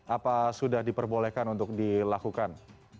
apa sudah diperbolehkan untuk dilakukan